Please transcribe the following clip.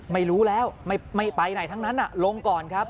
ไม่รู้แล้วไม่ไปไหนทั้งนั้นลงก่อนครับ